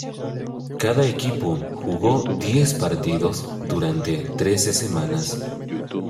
Cada equipo jugó diez partidos durante trece semanas.